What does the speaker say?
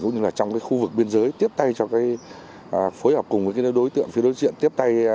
cũng như là trong khu vực biên giới tiếp tay cho phối hợp cùng với đối tượng phía đối diện tiếp tay